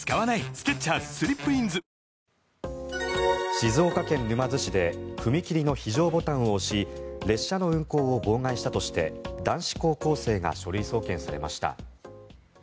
静岡県沼津市で踏切の非常ボタンを押し列車の運行を妨害したとして男子高校生が書類送検されました。